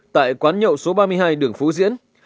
tại quán nhậu số ba mươi hai đường phú diễn